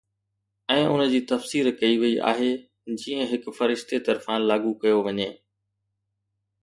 ۽ ان جي تفسير ڪئي وئي آهي جيئن هڪ فرشتي طرفان لاڳو ڪيو وڃي